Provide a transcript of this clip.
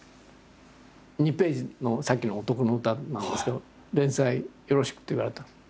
２ページのさっきの「おとこの詩」なんですけど「連載よろしく」って言われたの。